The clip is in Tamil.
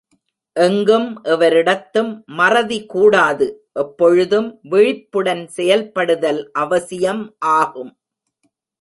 எங்கும் எவரிடத்தும் மறதி கூடாது எப்பொழுதும் விழிப்புடன் செயல்படுதல் அவசியம் ஆகும்.